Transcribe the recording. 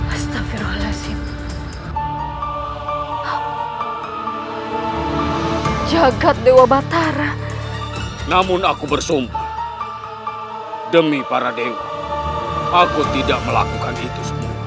aku jagat dewa batara namun aku bersumpah demi para dewa aku tidak melakukan itu semua